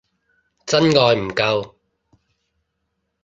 真愛唔夠